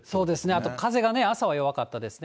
あと風がね、朝は弱かったですね。